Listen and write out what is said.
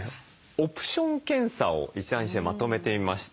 オプション検査を一覧にしてまとめてみました。